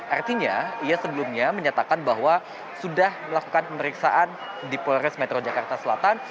artinya ia sebelumnya menyatakan bahwa sudah melakukan pemeriksaan di polres metro jakarta selatan